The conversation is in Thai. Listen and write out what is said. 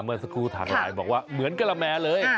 ล่าไหมสักครู่เรียกว่าเหมือนกระแมเลย